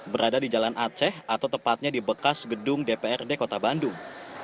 berada di jalan aceh atau tepatnya di bekas gedung dprd kota bandung